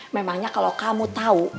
memangnya kalau kamu tahu